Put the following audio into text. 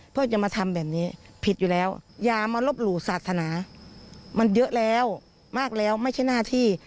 เพื่อจะมาทำแบบนี้ผิดอยู่แล้วอย่ามาลบหลู่ศาสนามันเยอะแล้วมากแล้วไม่ใช่หน้าที่